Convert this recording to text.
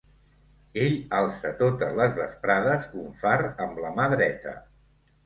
Ell alça totes les vesprades un far amb la mà dreta.